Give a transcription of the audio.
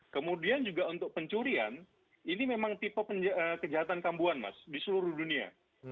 kemudian juga untuk pencurian ini memang tipe kejahatan kambuan mas di seluruh dunia